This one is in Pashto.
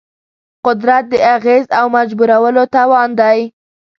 قدرت د اغېز او مجبورولو توان دی.